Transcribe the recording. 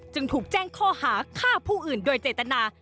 จึงถูกแจ้งข้อหาฆ่าผู้อื่นโดยเจตนา